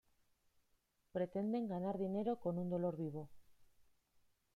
Pretenden ganar dinero con un dolor vivo".